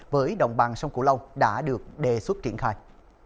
với đồng bằng sông cửu long đã được đề xuất triển khai